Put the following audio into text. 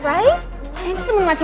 kalian tuh temen gak cuman